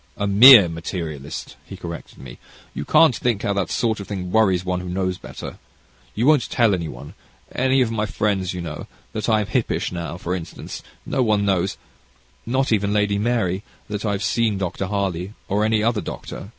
"A mere materialist," he corrected me; "you can't think how that sort of thing worries one who knows better. You won't tell any one any of my friends you know that I am hippish; now, for instance, no one knows not even Lady Mary that I have seen Dr. Harley, or any other doctor.